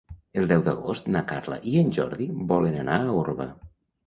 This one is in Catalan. El deu d'agost na Carla i en Jordi volen anar a Orba.